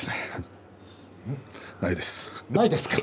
ないですね。